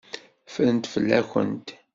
Ffrent fell-akent.